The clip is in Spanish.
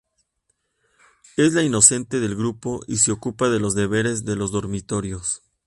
Es la inocente del grupo y se ocupa de los deberes de los dormitorios.